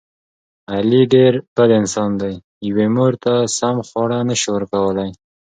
علي ډېر..... انسان دی. یوې مور ته سمه خواړه نشي ورکولی.